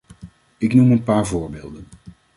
Ik noem een paar voorbeelden.